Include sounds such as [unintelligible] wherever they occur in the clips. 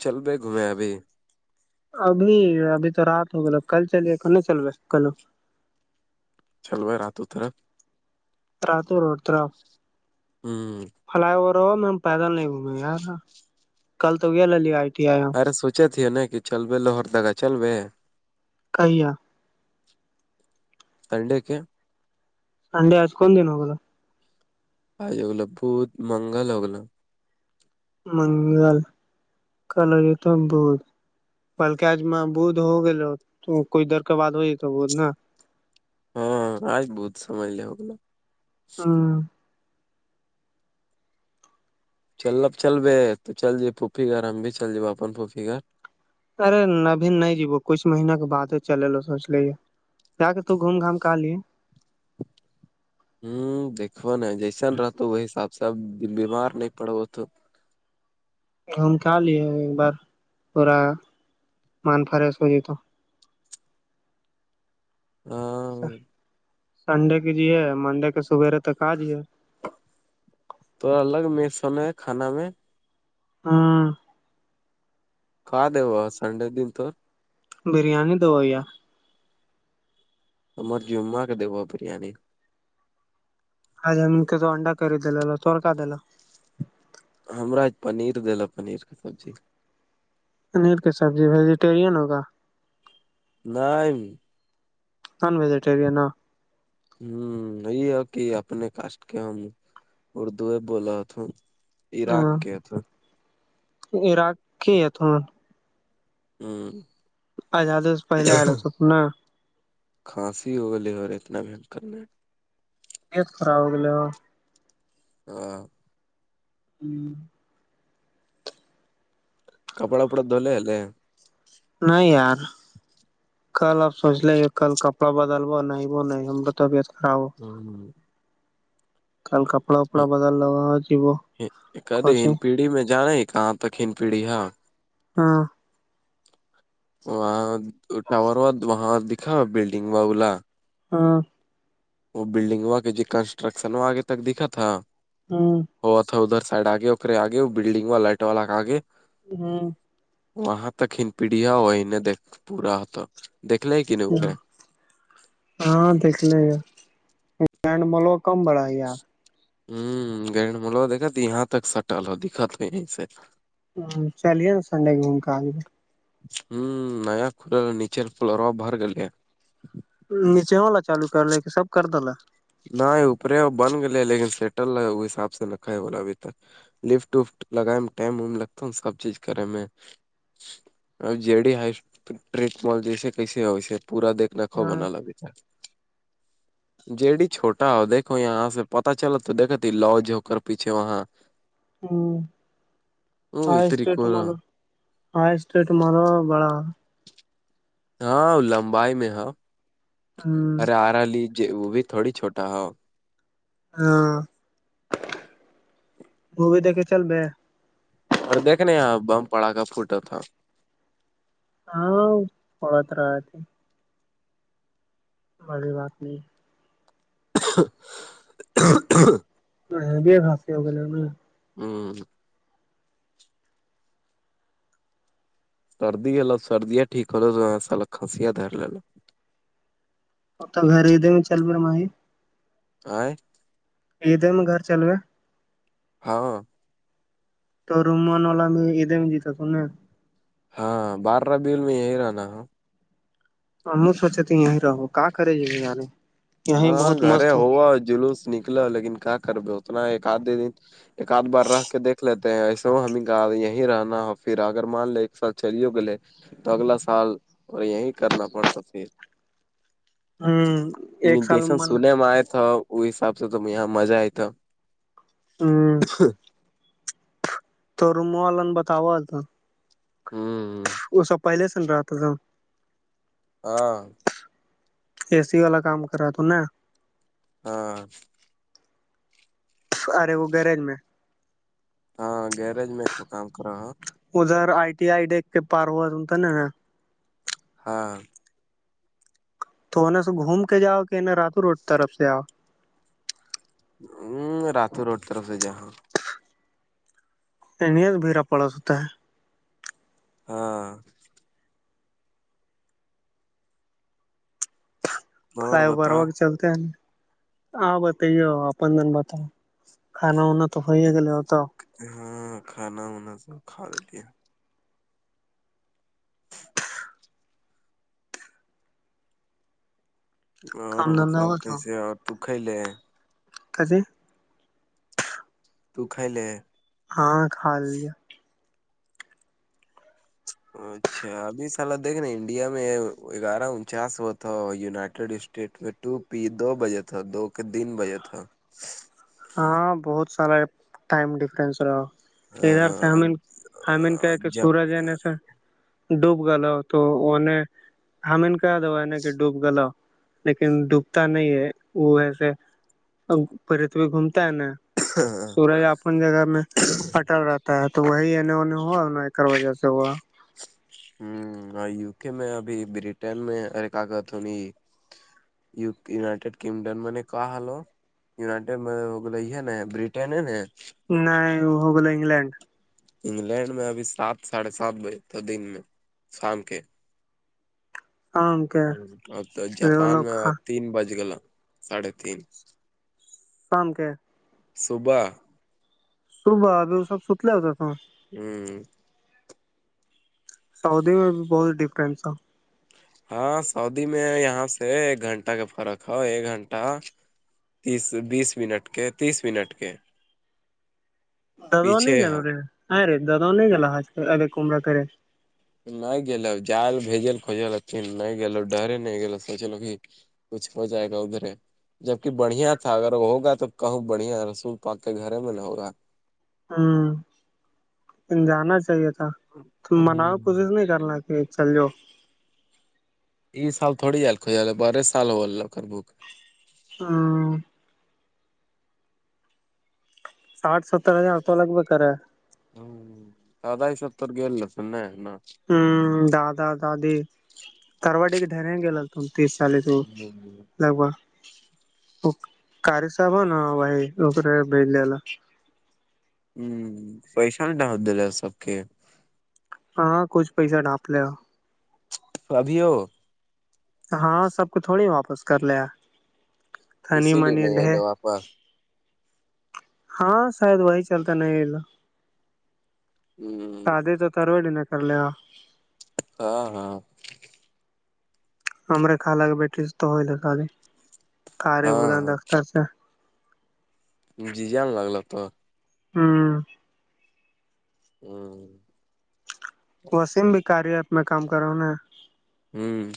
چل رہ گھومیں ابھی ابھی ابھی تو رات ہوگل کل چلیے کل نہ چل رہا کلو چلوا ہے راتوں طرف را تو روڈ تو رہا ہوں فلائی اوور ہوا میں پیدل نہیں گھومے یارا کل تو گیا آئی ٹی آئی ہم ارے سوچےتیے نا کہ چل لوہر تکا چلوے کئییا تڈ کیا ہڈ ہچکن دن ہوگا آج ہوگو بت منگل ہوگلو [inaudible] [inaudible] ہاں آج بہت سمجھ لے ہوگا ہاں [inaudible] [inaudible] [inaudible] [inaudible] گوم لیا ایک بار پورا من فریش ہو جائے تو ہاں سنڈے کی جی ہے منڈے کے سویرے تک آجے تو الگ مسن ہے کھانا میں ہاں کہ د ہوا سنڈے دن تو بریانی دو بھیا تور جما کے دب برییانی ہاں جے ہم تو انڈا کر د چور کا دا ہمار پنیر لیلو پنیر کے سبزی پنیر کی سبزی ویجیٹیرین ہوگا نہیں نان ویجٹیرین ہوں یہ ہے کہ اپنے کاسٹ کے ہم اردوئے بولا تو ہاں عراکق تو [inaudible] ہوں آ ج آ دس پہل آل ہو تو پنا کھانسی ہوگ لے اور اتنا بھی کرنا ہے تت خراب ہوگے ہو ہاں [inaudible] کپڑا فپڑا دول ہے نہیں یار کل آپ سوچ لے کل کپڑا بدلو نہیں بو نہیں ہم طبیعت خراب ہو کل کپڑا وپڑا بدل لو جیبو کد ہن کوچی پیڑھی میں جانا کہاں تک ہن پیڑھی ہاں ہاں وہاں ٹاور ہوا وہاں دکھا بلڈنگ با بولا ہاں وہ بلڈنگا کہ جی کنسٹرکشن وہ آگے تک دکھا تھا ہاں ہو اتا ادھر سائڈ آگےےگے بلڈنگ وا لائٹ والا کے آگے ہاں وہاں ت کھن پیڑیا وہ نے دیکھ پورا ہو تو دیکھ لے کی نہیں اوپر ہاں دیکھ لے گ لینڈ مال وہ کم بڑا ہے یار ہوں گر مولو دیکا ت یہاں تک سٹل ہو دت ہو یہیں سے ہ چلیے نا سنڈے کوومک ہوں نیا کھل نیچے فول ہو رہوا باہر گلے ہے نیچے ہو لا چالو کر لے کہ سب کر د ل ن اوپرے وہ بن گے لیکن سیٹل رہ وہ حساب سے نہکھاائے بولا ابھی تک لفٹ وفٹ لگائے میں ٹائم وم لگتا ہوں سب چیز کرے میں اب جی ڈی ہ ٹٹ مال جیسے کیسے ہویس پورا دیکھ نکھو ہاں بنا ل بھا جی چھوٹا ہو دھو یہاں سے پتا چل تو دتی لوج ہو کر پیچھے وہاں ہوں چس تمال ہاں اسٹٹ مارو بڑا ہاں لمبائی میں ہے ہوں ارے آرا لی وہ بھی تھوڑی چھوٹا ہے ہاں وہ بھی دیکے چل رہ اور دیکھنے یہاں بم پڑا کا فوٹو تھا ہاں پڑت رہا ت اوری باقی تھااںاں بھی خاصسی ہوگلے ن ہوں سردی ہے لو سردیا ٹھیک ہوو تو سالا کانسییا در ل لو ا تو گھر ہی دھر میں چل پ رہا مائی آ یہ دم گھر چلوے ہاں تو رومن والا میں یہ د میں جتا تھاوں نا ہاں بارہبل میں یہی رہنا ہے ہم سوچے یہیں رہو کہ کرے جی اراری ہاں گھر ہوا جلوس نکلو لیکن کیا کرو اتنا ایک آدے دن ایکد بار رہ کے دھ لیتے ہیں ایسے ہمیں کہا یہیں رہنا ہو پھر اگر مان لے ایک سال چلی ہو گلے تو اگلا سال اور یہیں کرنا پڑتا پھر ہوں جیسن سنے میں آئے تھا ا حساب سے تو یہاں مزہ آئے تھا ہو تو روموں والا نے بتاؤا آ تھا ہوں وہ سب پہلے سن رہا تھا ہاں اے سی والا کام کر رہا نا ہاں ارے وہ گرج میں ہاں گارج میں ایک کام کرا ہ ادھر آئی ٹی آئی ڈ پارو ا ان تو ن نا ہاں تو انہیں سے گھوم کے جاؤ کہ انہیں راتو روڈ طرف سے آؤ ہاں راتو روڈ طرف سے جا ہاں انیت بھیڑا پڑ س ہوتا ہے ہاں اور فلائی اوور بتا وق چلتے ہیں ہاں بتائیے اپنن بتاؤ کھانا وناا تو ہو گل ہوتا ہاں کھانا وانا سب کھا لیتی ہیں اور بتاؤ کیسے اور تو کے لے تسے تو ک لے ہاں کھا ل لیا اچھا ابھی سال دیکھنے انڈیا میں گیارہ انچاس وہ تھا یونائٹیڈ اسٹیٹ میں ٹو پی دو بجے تھا دو کے تین بجے تھا ہاں بہت سارا ٹائم ڈفرنس رہا ادھر سے ہم حین کہ کہ جب سورج ہے سے ڈوب تو ان نے ہم نے کہ دوا ہے نا کہ ڈوب گ ل لیکن ڈوبتا نہیں ہے وہ ایسے ا پھرت بھی گھومتا ہے نا سورج آپ [unintelligible] اپ جگہ میں پٹل رہتا ہے تو وہی انے انے ہوا وجہ سے ہوا ہوں یوک میں ابھی برٹین میں ارے کاقت ہونی [unintelligible] یونائیٹیڈ کگڈم م کہ ہالو [unintelligible] یونائٹیڈ م ہو ہے نا برٹن ہے نا نہیںائ وہ ہوگول انگلینڈ انگلینڈ میں ابھی سات ساڑھے سات بجے تو دن میں شام کے ہاں ہ اب تو جاپان میں تین بج گلا ساھے تین صبح تور با د سب ست ل ہوتا تو [unintelligible] ہوں سعودی میں بھی بہت ڈفرینس تھا ہاں سعدی میں یہاں سے ایک گھنٹہ کا فرق ہے ایک گھنٹہ تیس بیس منٹ کے تیس منٹ کے دادا نہیں پیچھے گل ہے رے ہ رے دادا نہیں گ آج کل ا کومرہ کرے [unintelligible] نہیں گو جل بھیجل کوجل این نہیں گو ڈرے نہیں گو سوچلو کہ [unintelligible] کچھ ہو جائے گا ادھرے جبک بڑھیا تھا اگر ہوگا تو کہوں بڑھیا رسول پا کے گھر میں نہ ہوگا [unintelligible] ہوں لن جانا چاہیے تھا تو مناؤ ک ہوں نہیں [unintelligible] کرنا کہ چلؤ یہ سال تھوڑی جل خو والا بارہ سال ہوول لو کربوک [unintelligible] ہاں آٹھ ستر ہزار س لگ با رہا ہ سدہ ہی ستتر گی س نہیں نا [unintelligible] ہ دادا دادی توڈ کے ڈر گل تو تیس سالے تو لگ با وہ کار صابا نا بائی ار بج للا [unintelligible] ہوں پیسہ نہیں ڈہر د رہ سب کے [unintelligible] ہاں کچھ پیسہ ڈانپ لے ابھیو [unintelligible] ہاں سب کو تھوڑی واپس کر لیا تنی اسی لیے منی نہیں لے آئیے واپس ہاں شاید وہی چلتا نہیں الا ہوں سادے تو توڑ ن کر ل [unintelligible] ہاں ہاں امرے کھا لا کے بیٹھی سے تو ہو لگتا کارے ہاں ہاں بدند اختر سے [unintelligible] ج جاا لگلا تو [unintelligible] ہاں ہوں وسیم بھی کاری ہے میں کام کراوںا ہوں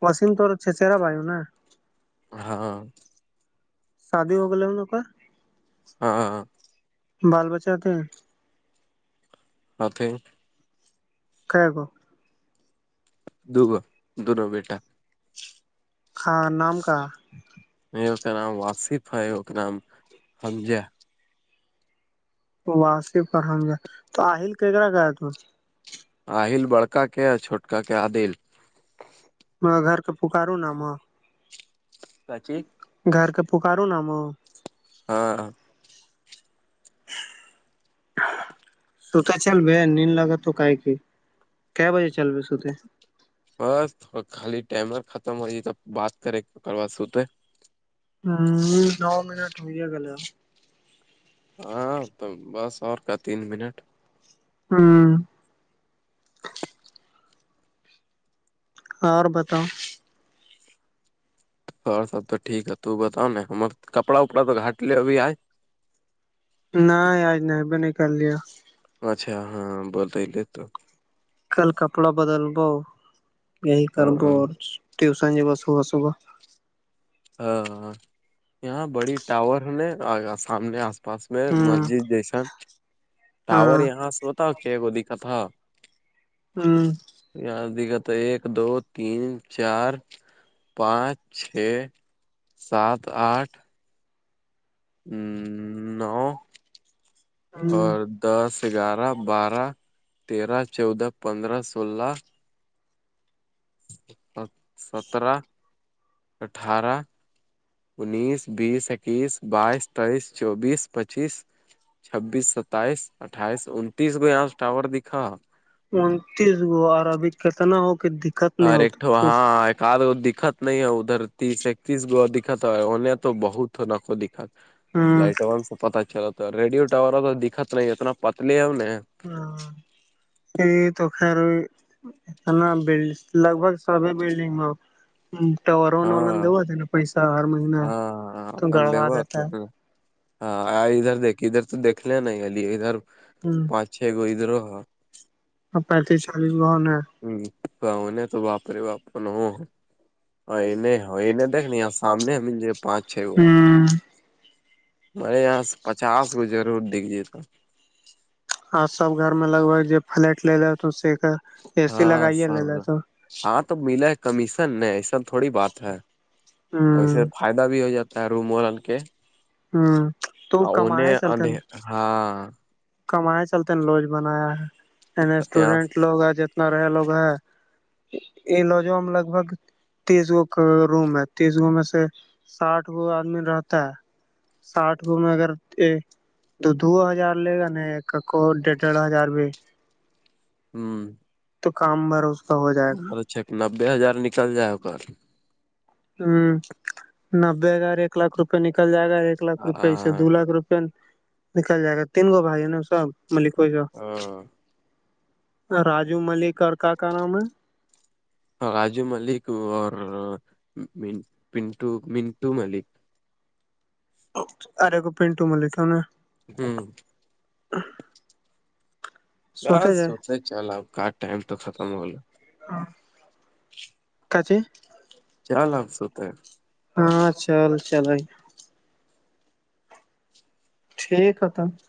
پشم توور چھچرا بو نا [unintelligible] ہاں شادی ہوگ انوں کا ہاں بال بچہ تھے ماتھی [unintelligible] خ گو [unintelligible] دوگو دونوں بیٹا خان نام کا کا نام واصف ہے و کا نام ہمز واسیف ارحمدہ تو آل ک کررا گ تو آہل بڑکا کے اور چھوٹکا کے عادل گھر کے پکاروں نااما کاچی گھر کا پکاروں نام ہاں ستا چلب نیند لگا تو کا کہ کیا بجے چلو ستے [unintelligible] بس تھ خالی ٹمر ختم ہو ج تو بات کریں کر سوتے [unintelligible] ہوں نو منٹ ہوئییا گل ہاں تو بس اور کا تین منٹ ہاں اور بتاؤ اور سب تو ٹیک ہے ت تو بتاؤ نا ہم کپڑا وپڑا تو گاٹ لے ابھی آئے نہ آج نہیںب نہیںک لیا اچھا ہاں بولت لے تو کل کپڑا بدلبو یہی کربو ہاں ٹیوشن جب صبح صبح ا یہاں بڑی ٹاور ہے نے سامنے آس پا پاس میں ہوں مسجد جیسن ٹاور ہاں یہاں سے بتا کیا کو دقت تھا ہوں اں دکھتا ایک دو تین چار پانچ چھ سات آٹھ ہ نو ہوں اور دس گیارہ بارہ تیرہ چودہ پندرہ سولہ سترہ اٹھارہ انیس بیس اکیس بائیس تیئیس چوبیس پچیس چھبیس ستائیس اٹھائیس انتیس کو یہاں ٹاور دکھا انتیس گو عربک کتنا ہوک اورر ایکٹو ہاں کار دکھت نہیں ہے ادھر تیس اکتیس گ دکھت ہویں تو بہت ہونا ہوں لائٹ ون سے پت چلتا ریڈیو ٹاور تو دکھت نہیں اتنا پتلیے ہے ہم ہ یہ خاار لگ بھگ سبھی بلڈنگ میں تونن ہاں دا نا پیسہ ہر مہین ہاں تو اپن گڑوا دیو دیتا ہے ہاں ادھر دیکھ ادھر تو دیکھ لے ن ا ادھر ہوں پانچ چھ گو ادھرو ہاں پینتیس چالیس گن ہے ہاں بؤ نے تو باپری باپر ن ہو اورہ انیں دیکھنی سامنے ملے پانچ چھ وہ ہوں ہمارے یہاں پچاس گو ضرور دھجیے تو اور سب گھر میں لگ بگ جو فلٹ لےے ہو س کا اے سی ہاں لگاائیے سب لےا ہاں تو ملاے کمیشن نہیں ایسا تھوڑی بات ہے ہاں اسے فائدہ بھی ہو جاتا ہے روم ون کے ہوں تو انے کمائے اند ہاں کمیں چلتے نا لوج بنایا ہے عنی یہاں اسٹوڈینٹ لوگ ہے جتنا رہے لوگ ہے لوجو ہم لگ بھگ تیس گو کا روم ہے تیس گو میں سے ساٹھ گو آدمی رہتا ہے ساٹ گو میں اگر تو دو ہزار لے گا نا ایک کو ڈڑھ ڈڑھ ہزار بھی ہوں تو کام بروس پر اچھ نبے ہزار نکل جائے گ [unintelligible] ہ نبے ہزار ایک لاکھ روپئے نکل جائے ایک لاکھ روپےسے ہاں دو لاکھ روپ نکل جائے گا تین آیے ہے نا صاحب ملک و شا راجو ملک اور کیا کیا نام ہے [inaudible] راجو ملک اور منٹو منٹو ملک ارے کو پینٹو میں لکھ نے جی [inaudible] ار جائے سوتے چل آپ کا ٹائم تو ختم ہو گو کاچ [inaudible] چلپس ہوتا ہیں ہاں چل چلئی شھ کتم [inaudible]